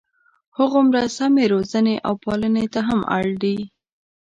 هغومره سمې روزنې او پالنې ته هم اړ دي.